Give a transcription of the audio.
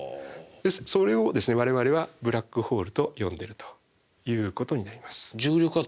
それを我々はブラックホールと呼んでるということになります。